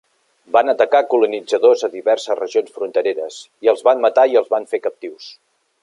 Van atacar a colonitzadors a diverses regions frontereres, i els van matar els van fer captius.